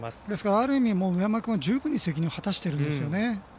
ある意味、上山君は十分に責任を果たしているんですよね。